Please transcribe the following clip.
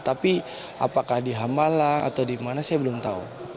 tapi apakah di hamalang atau di mana saya belum tahu